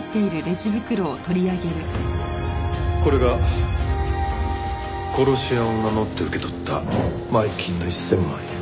これが殺し屋を名乗って受け取った前金の１０００万円。